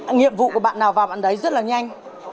nhiệm vụ của bạn nào vào bản đáy rất là nhanh